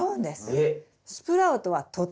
えっ！